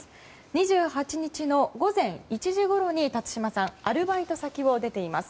２８日の午前１時ごろに辰島さんはアルバイト先を出ています。